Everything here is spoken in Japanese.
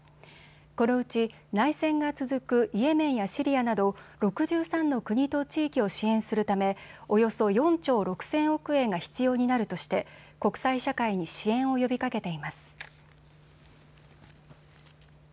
このうち内戦が続くイエメンやシリアなど６３の国と地域を支援するため、およそ４兆６０００億円が必要になるとして国際社会に支援を呼びかけています。